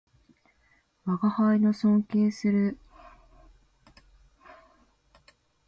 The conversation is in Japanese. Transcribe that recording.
吾輩の尊敬する筋向こうの白君などは会う度毎に人間ほど不人情なものはないと言っておらるる